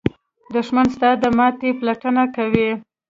دښمن ستا د ماتې پلټنه کوي